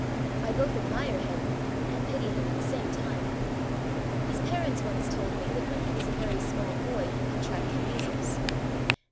I both admire him and pity him at the same time. His parents once told me that when he was a very small boy he contracted measles.